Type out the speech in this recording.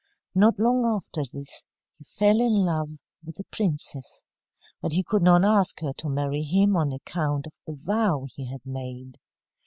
Not long after this, he fell in love with a princess. But he could not ask her to marry him on account of the vow he had made.